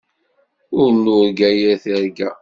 Ur nurga yir tirga.